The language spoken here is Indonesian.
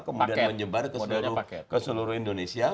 kemudian menyebar ke seluruh indonesia